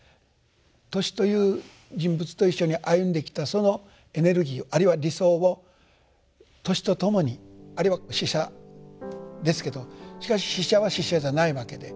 トシという人物と一緒に歩んできたそのエネルギーをあるいは理想をトシと共にあるいは死者ですけどしかし死者は死者じゃないわけで。